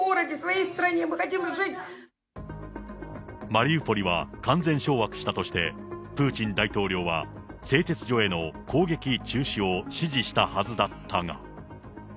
マリウポリは完全掌握したとしてプーチン大統領は製鉄所への攻撃中止を指示したはずだったが。